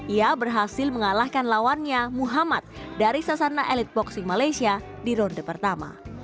ia berhasil mengalahkan lawannya muhammad dari sasana elit boxing malaysia di ronde pertama